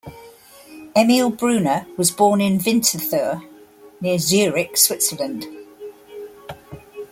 Emil Brunner was born in Winterthur, near Zurich, Switzerland.